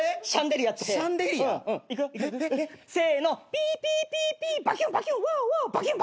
ピーピーピーピーバキューンバキューンホワオホワオバキューンバキューン！